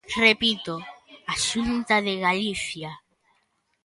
Repito, a Xunta de Galicia.